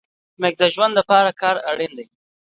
د ښه ژوند د پاره کار اړين دی